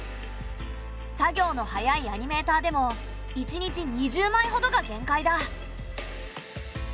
作業の早いアニメーターでも１日２０枚ほどが限界だ。